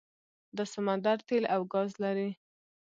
دا سمندر تیل او ګاز لري.